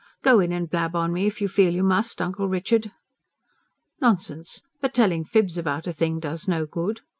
"Go in and blab on me, if you feel you must, Uncle Richard." "Nonsense. But telling fibs about a thing does no good."